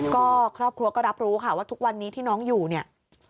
ก็ครอบครัวก็รับรู้ค่ะว่าทุกวันนี้ที่น้องอยู่เนี่ย